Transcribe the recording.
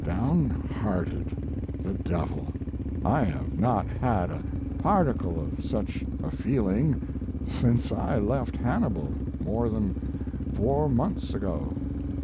"Downhearted," the devil! I have not had a particle of such a feeling since I left Hannibal, more than four months ago.